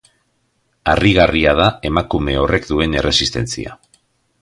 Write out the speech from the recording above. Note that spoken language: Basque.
Harrigarria da emakume horrek duen erresistentzia.